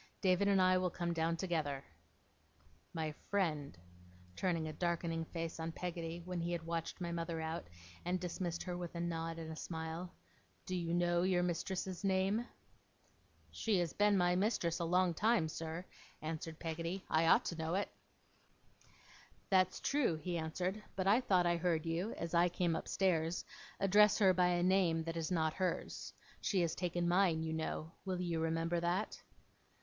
'David and I will come down, together. My friend,' turning a darkening face on Peggotty, when he had watched my mother out, and dismissed her with a nod and a smile; 'do you know your mistress's name?' 'She has been my mistress a long time, sir,' answered Peggotty, 'I ought to know it.' 'That's true,' he answered. 'But I thought I heard you, as I came upstairs, address her by a name that is not hers. She has taken mine, you know. Will you remember that?